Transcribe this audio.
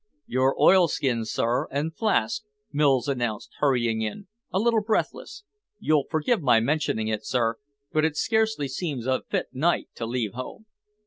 "Your oilskins, sir, and flask," Mills announced, hurrying in, a little breathless. "You'll forgive my mentioning it, sir, but it scarcely seems a fit night to leave home."